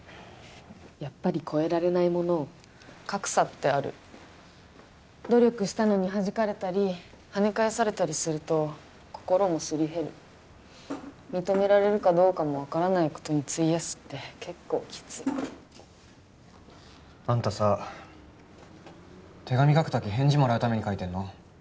やっぱり越えられないもの格差ってある努力したのにはじかれたりはね返されたりすると心もすり減る認められるかどうかも分からないことに費やすって結構キツいあんたさ手紙書くとき返事もらうために書いてんの？